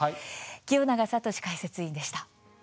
清永聡解説委員でした。